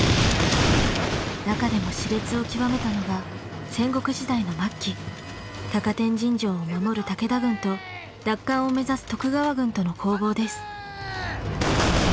中でもしれつを極めたのが戦国時代の末期高天神城を守る武田軍と奪還を目指す徳川軍との攻防です。